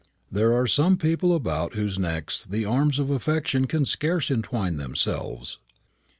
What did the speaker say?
There are some people about whose necks the arms of affection can scarce entwine themselves.